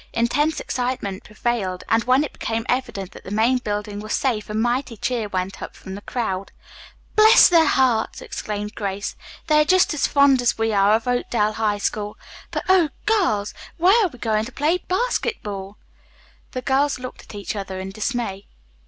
Intense excitement prevailed, and when it became evident that the main building was safe a mighty cheer went up from the crowd. "Bless their hearts!" exclaimed Grace. "They are just as fond as we are of Oakdale High School. But, oh, girls, where are we going to play basketball!" The girls looked at each other in dismay.